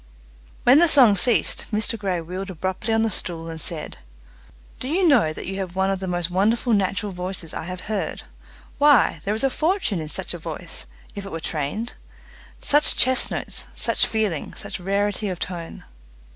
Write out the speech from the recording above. When the song ceased Mr Grey wheeled abruptly on the stool and said, "Do you know that you have one of the most wonderful natural voices I have heard. Why, there is a fortune in such a voice if it were, trained! Such chest notes, such feeling, such rarity of tone!"